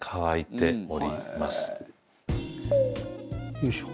よいしょ。